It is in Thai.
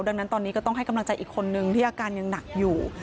ดังนั้นตอนนี้ก็ต้องให้กำลังใจอีกคนนึงที่อาการยังหนักอยู่